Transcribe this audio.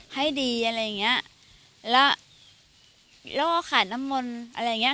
ให้ดีอะไรอย่างนี้